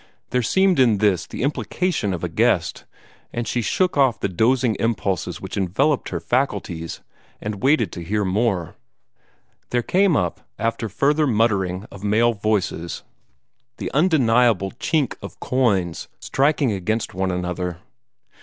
There seemed in this the implication of a guest, and she shook off the dozing impulses which enveloped her faculties, and waited to hear more. There came up, after further muttering of male voices, the undeniable chink of coins striking against one another.